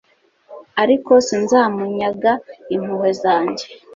Ariko sinzamunyaga impuhwe zanjye